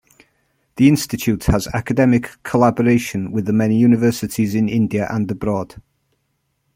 The institute has academic collaboration with the many universities in India and abroad.